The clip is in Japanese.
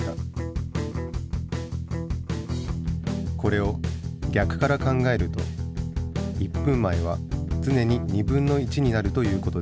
これを逆から考えると１分前はつねに1/2になるという事です。